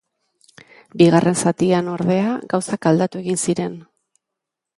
Bigarren zatian, ordea, gauzak aldatu egin ziren.